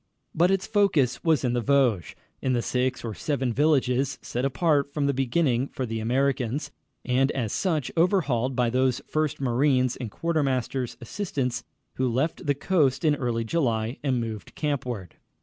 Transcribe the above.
But its focus was in the Vosges, in the six or seven villages set apart from the beginning for the Americans, and as such, overhauled by those first marines and quartermaster's assistants who left the coast in early July and moved campward.